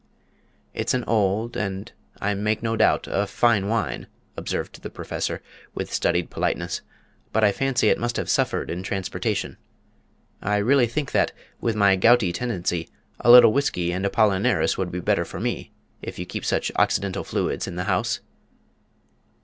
"It's an old and, I make no doubt, a fine wine," observed the Professor, with studied politeness, "but I fancy it must have suffered in transportation. I really think that, with my gouty tendency, a little whisky and Apollinaris would be better for me if you keep such occidental fluids in the house?"